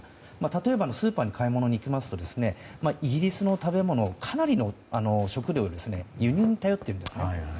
例えばスーパーに買い物に行きますとイギリスはかなりの食料を輸入に頼っているんですね。